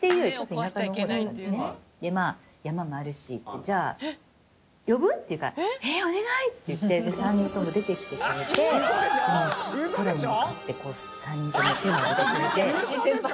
でまあ「山もあるしじゃあ呼ぶ？」って言うから「えっお願い！」って言ってで３人とも出てきてくれて。なんて優しい先輩！